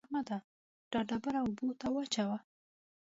احمده! دا ډبره اوبو ته واچوه.